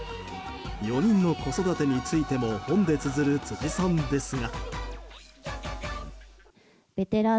４人の子育てについても本でつづる、辻さんですが。